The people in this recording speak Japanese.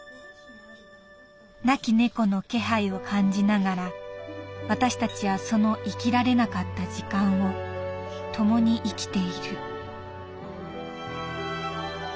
「亡き猫の気配を感じながら私たちはその生きられなかった時間を共に生きている」。